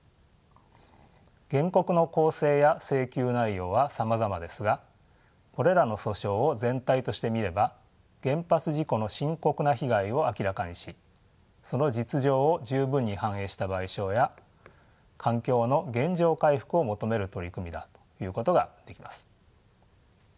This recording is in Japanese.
原告の構成や請求内容はさまざまですがこれらの訴訟を全体としてみれば原発事故の深刻な被害を明らかにしその実情を十分に反映した賠償や環境の原状回復を求める取り組みだということができます。